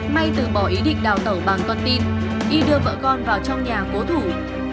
may từ bỏ ý định đào tẩu bằng con tin y đưa vợ con vào trong nhà cố thủ